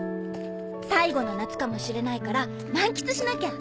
最後の夏かもしれないから満喫しなきゃ。